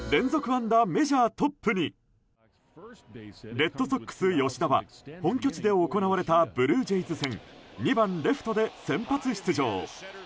レッドソックス、吉田は本拠地で行われたブルージェイズ戦２番レフトで先発出場。